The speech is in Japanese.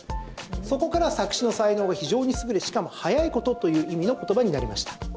そこから作詞の才能が非常に優れしかも早いことという意味の言葉になりました。